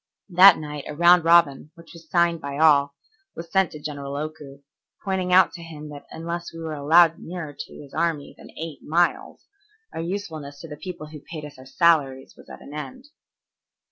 That night a round robin, which was signed by all, was sent to General Oku, pointing out to him that unless we were allowed nearer to his army than eight miles, our usefulness to the people who paid us our salaries was at an end.